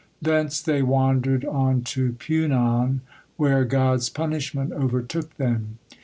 Thence they wandered on to Punon, where God's punishment overtook them.